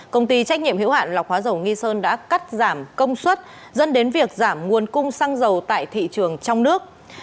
công ty trách nhiệm hiệu hạn lọc hóa dầu nghi sơn đã cắt giảm công suất dẫn đến việc giảm nguồn cung xăng dầu tại thị trường trong nước